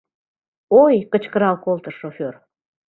— Ой!.. — кычкырал колтыш шофёр.